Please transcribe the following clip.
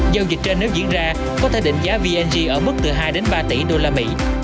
giao dịch trên nếu diễn ra có thể định giá vng ở mức từ hai ba tỷ usd